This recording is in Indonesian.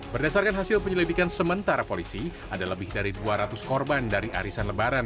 berdasarkan hasil penyelidikan sementara polisi ada lebih dari dua ratus korban dari arisan lebaran